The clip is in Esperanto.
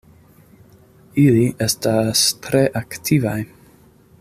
Ili estas tre aktivaj.